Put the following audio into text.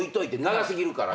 長すぎるから。